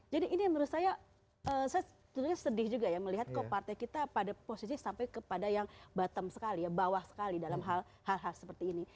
jadi ini menurut saya saya sebetulnya sedih juga ya melihat kok partai kita pada posisi sampai kepada yang bottom sekali ya bawah sekali dalam hal hal seperti ini